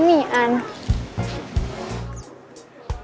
oh maaf kirain nian